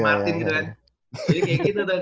martin gitu kan jadi kayak gitu tuh